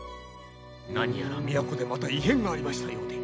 何やら都でまた異変がありましたようで。